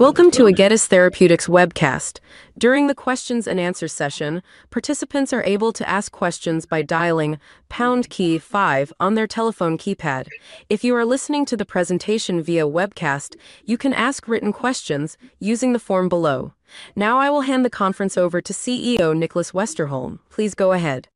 Welcome to Egetis Therapeutics' webcast. During the questions and answers session, participants are able to ask questions by dialing #5 on their telephone keypad. If you are listening to the presentation via webcast, you can ask written questions using the form below. Now, I will hand the conference over to CEO Nicklas Westerholm. Please go ahead.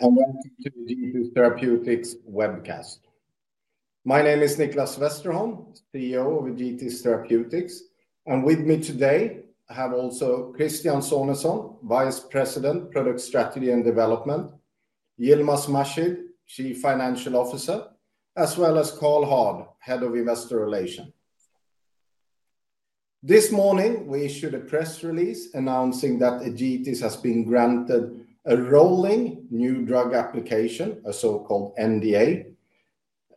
Welcome to Egetis Therapeutics' webcast. My name is Nicklas Westerholm, CEO of Egetis Therapeutics. With me today, I have also Cristian Fabbri, Vice President, Product Strategy and Development, Yilmaz Mahshid, Chief Financial Officer, as well as Karl Hård, Head of Investor Relations. This morning, we issued a press release announcing that Egetis has been granted a rolling New Drug Application, a so-called NDA,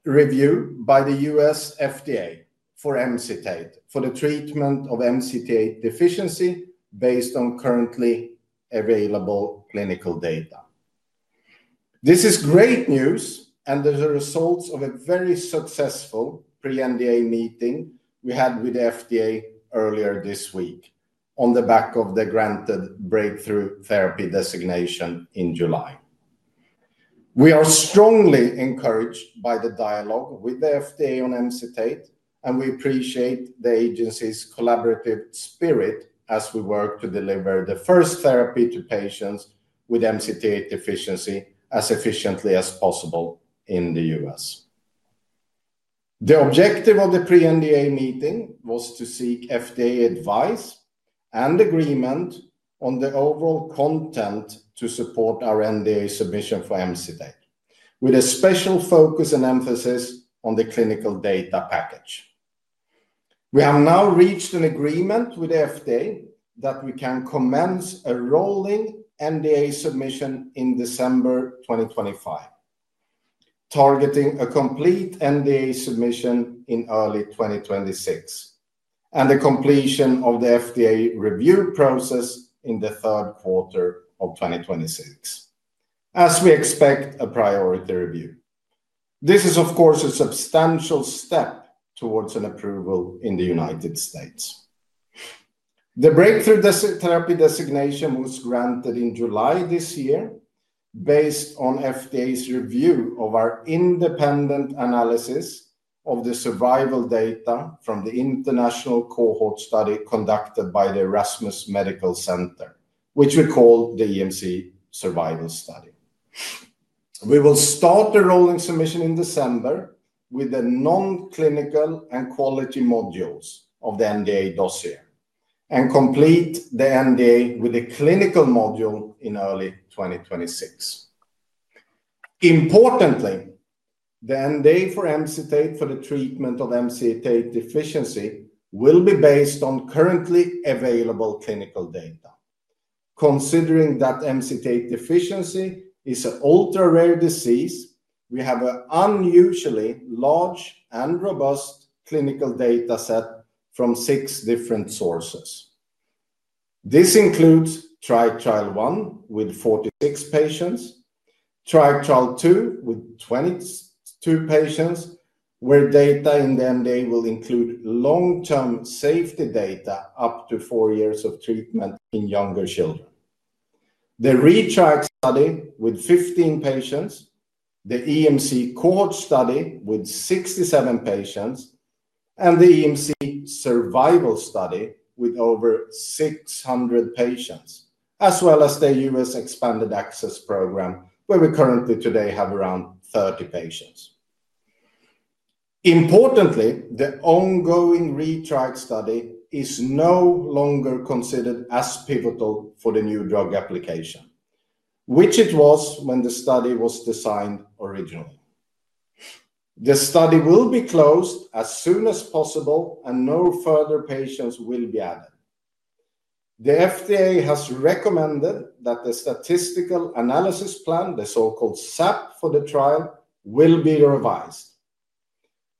review by the U.S. FDA for MCT8, for the treatment of MCT8 deficiency based on currently available clinical data. This is great news, and the result of a very successful pre-NDA meeting we had with the FDA earlier this week on the back of the granted Breakthrough Therapy Designation in July. We are strongly encouraged by the dialogue with the FDA on MCT8, and we appreciate the agency's collaborative spirit as we work to deliver the first therapy to patients with MCT8 deficiency as efficiently as possible in the U.S. The objective of the pre-NDA meeting was to seek FDA advice and agreement on the overall content to support our NDA submission for MCT8, with a special focus and emphasis on the clinical data package. We have now reached an agreement with the FDA that we can commence a rolling NDA submission in December 2025, targeting a complete NDA submission in early 2026 and the completion of the FDA review process in the third quarter of 2026, as we expect a priority review. This is, of course, a substantial step towards an approval in the United States. The Breakthrough Therapy Designation was granted in July this year based on FDA's review of our independent analysis of the survival data from the international cohort study conducted by the Erasmus Medical Center, which we called the EMC Survival Study. We will start the rolling submission in December with the non-clinical and quality modules of the NDA dossier and complete the NDA with a clinical module in early 2026. Importantly, the NDA for MCT8 for the treatment of MCT8 deficiency will be based on currently available clinical data. Considering that MCT8 deficiency is an ultra-rare disease, we have an unusually large and robust clinical data set from six different sources. This includes TriTrial1 with 46 patients, TriTrial2 with 22 patients, where data in the NDA will include long-term safety data up to four years of treatment in younger children, the retried study with 15 patients, the EMC cohort study with 67 patients, and the EMC survival study with over 600 patients, as well as the U.S. Expanded Access program, where we currently today have around 30 patients. Importantly, the ongoing retried study is no longer considered as pivotal for the New Drug Application, which it was when the study was designed originally. The study will be closed as soon as possible, and no further patients will be added. The FDA has recommended that the statistical analysis plan, the so-called SAP for the trial, will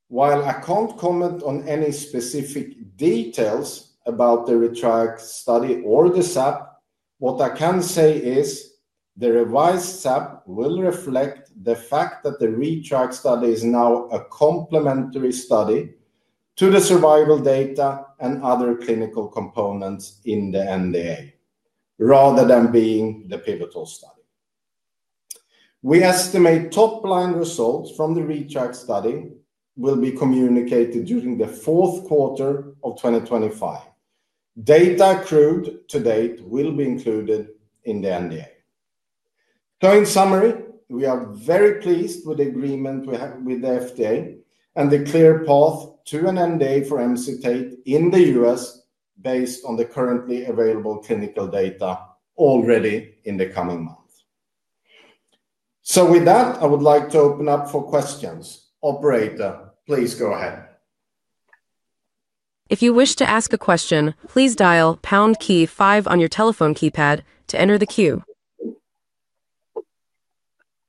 be revised. While I can't comment on any specific details about the retried study or the SAP, what I can say is the revised SAP will reflect the fact that the retried study is now a complementary study to the survival data and other clinical components in the NDA rather than being the pivotal study. We estimate top-line results from the retried study will be communicated during the fourth quarter of 2025. Data accrued to date will be included in the NDA. In summary, we are very pleased with the agreement we have with the FDA and the clear path to an NDA for MCT8 in the U.S. based on the currently available clinical data already in the coming month. With that, I would like to open up for questions. Operator, please go ahead. If you wish to ask a question, please dial #5 on your telephone keypad to enter the queue.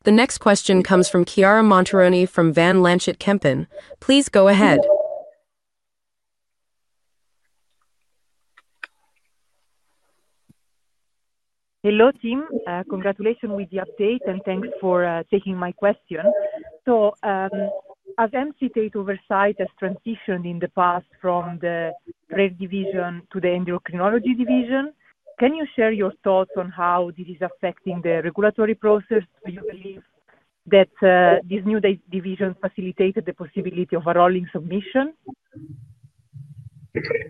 The next question comes from Chiara Montironi from Van Lanschot Kempen. Please go ahead. Hello, team. Congratulations with the update and thanks for taking my question. As MCT8 oversight has transitioned in the past from the Rare Division to the Endocrinology Division, can you share your thoughts on how this is affecting the regulatory process? Do you believe that this new division facilitated the possibility of a rolling submission?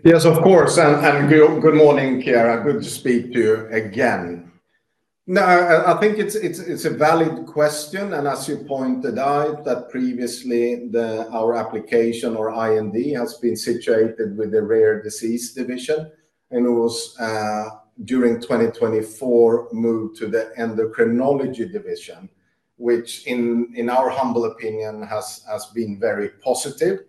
Yes, of course, and good morning, Chiara. Good to speak to you again. No, I think it's a valid question. As you pointed out, previously our application or IND has been situated with the Rare Disease Division and was during 2024 moved to the Endocrinology Division, which in our humble opinion has been very positive.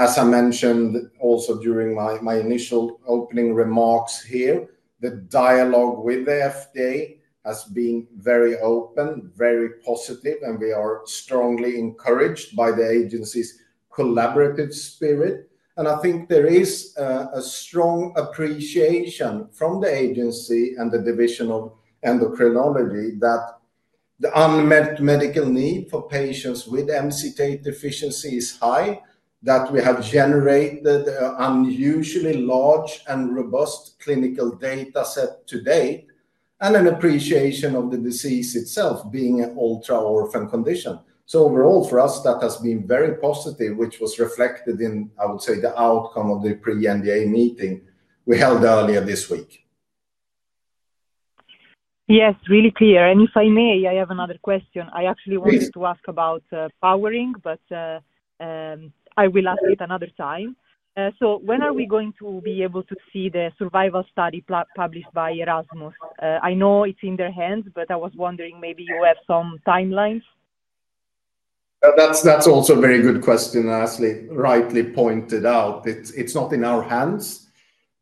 As I mentioned also during my initial opening remarks here, the dialogue with the FDA has been very open, very positive, and we are strongly encouraged by the agency's collaborative spirit. I think there is a strong appreciation from the agency and the Division of Endocrinology that the unmet medical need for patients with MCT8 deficiency is high, that we have generated an unusually large and robust clinical data set to date, and an appreciation of the disease itself being an ultra-orphan condition. Overall for us, that has been very positive, which was reflected in, I would say, the outcome of the pre-NDA meeting we held earlier this week. Yes, really clear. If I may, I have another question. I actually wanted to ask about powering, but I will ask it another time. When are we going to be able to see the survival study published by Erasmus? I know it's in their hands, but I was wondering maybe you have some timelines? That's also a very good question. As they rightly pointed out, it's not in our hands.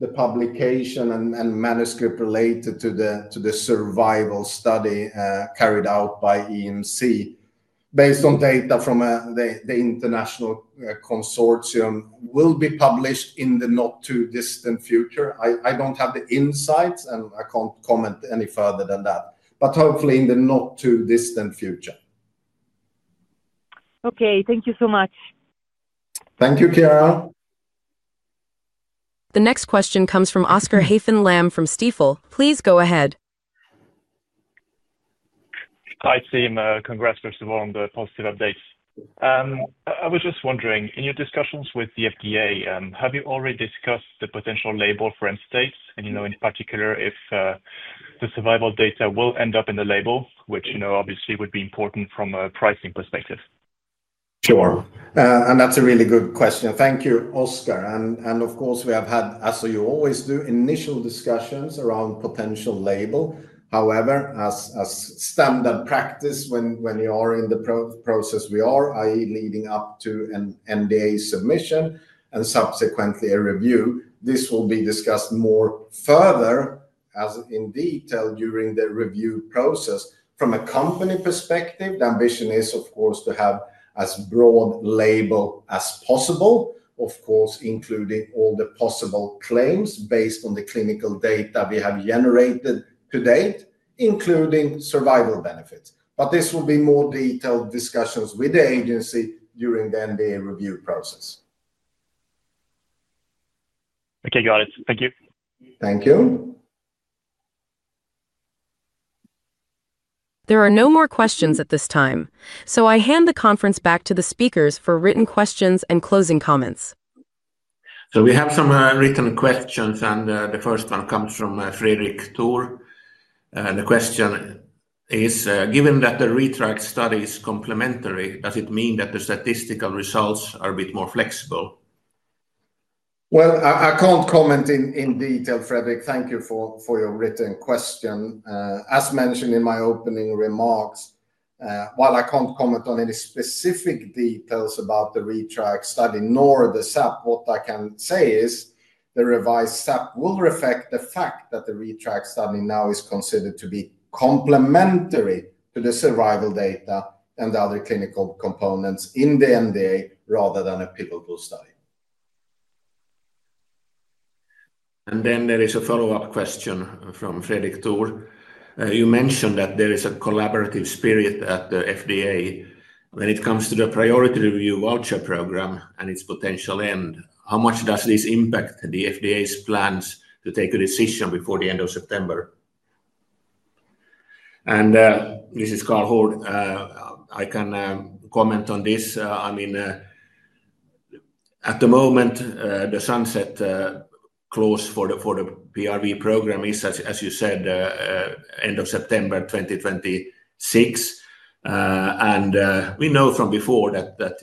The publication and manuscript related to the survival study carried out by Erasmus Medical Center based on data from the international consortium will be published in the not-too-distant future. I don't have the insights, and I can't comment any further than that, but hopefully in the not-too-distant future. Okay, thank you so much. Thank you, Chiara. The next question comes from Oscar Haffen Lamm from Stifel. Please go ahead. Hi, team. Congrats first of all on the positive updates. I was just wondering, in your discussions with the U.S. Food and Drug Administration, have you already discussed the potential label for MCT8? In particular, if the survival data will end up in the label, which obviously would be important from a pricing perspective. Sure, that's a really good question. Thank you, Oscar. Of course, we have had, as you always do, initial discussions around potential label. However, as standard practice, when you are in the process we are, i.e., leading up to an NDA submission and subsequently a review, this will be discussed further in detail during the review process. From a company perspective, the ambition is, of course, to have as broad a label as possible, including all the possible claims based on the clinical data we have generated to date, including survival benefits. This will be more detailed discussions with the agency during the NDA review process. Okay, got it. Thank you. Thank you. There are no more questions at this time. I hand the conference back to the speakers for written questions and closing comments. We have some written questions, and the first one comes from Frederic Tour. The question is, given that the retried study is complementary, does it mean that the statistical results are a bit more flexible? I can't comment in detail, Frederic. Thank you for your written question. As mentioned in my opening remarks, while I can't comment on any specific details about the retried study nor the statistical analysis plan, what I can say is the revised statistical analysis plan will reflect the fact that the retried study now is considered to be complementary to the survival data and other clinical components in the New Drug Application rather than a pivotal study. There is a follow-up question from Frederic Tour. You mentioned that there is a collaborative spirit at the U.S. Food and Drug Administration when it comes to the Priority Review Voucher program and its potential end. How much does this impact the FDA's plans to take a decision before the end of September? This is Karl Hård. I can comment on this. At the moment, the sunset clause for the Priority Review Voucher program is, as you said, end of September 2026. We know from before that the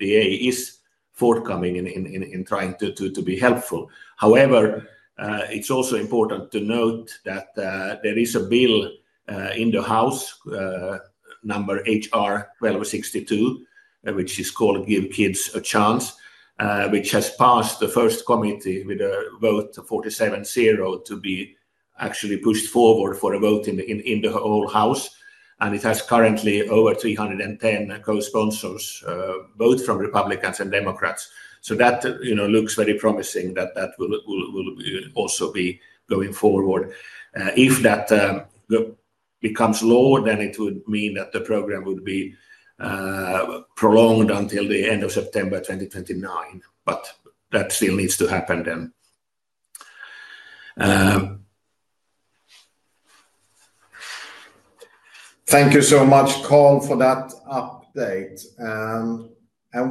FDA is forthcoming in trying to be helpful. However, it's also important to note that there is a bill in the House, number HR 1262, which is called Give Kids a Chance, which has passed the first committee with a vote of 47-0 to be actually pushed forward for a vote in the whole House. It has currently over 310 co-sponsors, both from Republicans and Democrats. That looks very promising that that will also be going forward. If that becomes law, then it would mean that the program would be prolonged until the end of September 2029. That still needs to happen then. Thank you so much, Karl, for that update.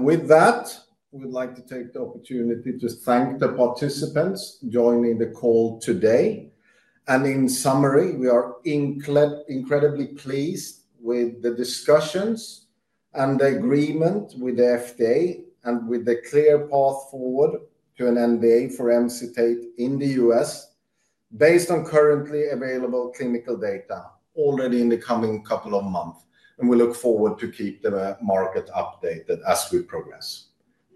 With that, we'd like to take the opportunity to thank the participants joining the call today. In summary, we are incredibly pleased with the discussions and the agreement with the FDA and with the clear path forward to a New Drug Application for MCT8 in the United States based on currently available clinical data already in the coming couple of months. We look forward to keep the market updated as we progress.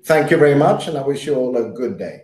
Thank you very much, and I wish you all a good day.